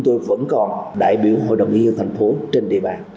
tôi vẫn còn đại biểu hội đồng nhân dân thành phố trên địa bàn